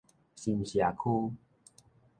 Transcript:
新社區